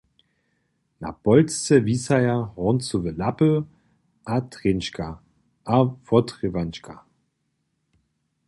Na polčce wisaja horncowe lapy a trjenčka a wótrěwančka.